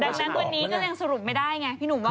ดังนั้นวันนี้ก็ยังสรุปไม่ได้ไงพี่หนุ่มว่า